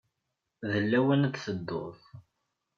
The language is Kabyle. D lawan ad tedduḍ.